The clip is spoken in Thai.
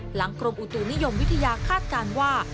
กรมอุตุนิยมวิทยาคาดการณ์ว่า